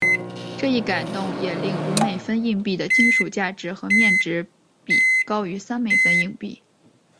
这一改动也令五美分硬币的金属价值和面值比高于三美分硬币。